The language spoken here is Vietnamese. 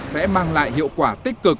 sẽ mang lại hiệu quả tích cực